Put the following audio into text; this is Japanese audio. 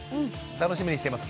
楽しみにしています